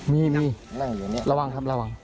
มีระวังครับระวัง